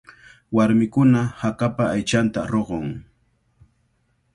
Warmikuna hakapa aychanta ruqun.